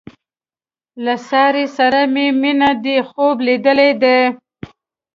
له سارې سره مې مینه دې خوب لیدل دي.